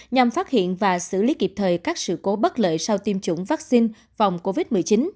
nhằm phát hiện và xử lý kịp thời các sự cố bất lợi sau tiêm chủng vaccine phòng covid một mươi chín